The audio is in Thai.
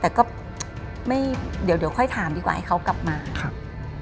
แต่ก็ไม่เดี๋ยวเดี๋ยวค่อยถามดีกว่าให้เขากลับมาครับ